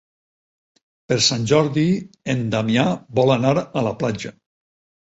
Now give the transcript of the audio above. Per Sant Jordi en Damià vol anar a la platja.